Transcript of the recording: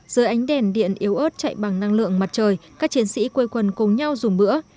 dưới ánh đèn điện yếu ớt chạy bằng năng lượng mặt trời các chiến sĩ quê quần cùng nhau dùng bữa